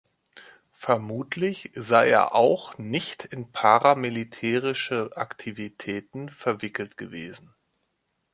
Vermutlich sei er auch nicht in paramilitärische Aktivitäten verwickelt gewesen.